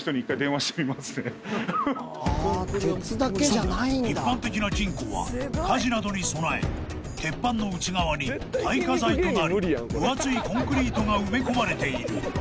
［そう一般的な金庫は火事などに備え鉄板の内側に耐火材となる分厚いコンクリートが埋め込まれている］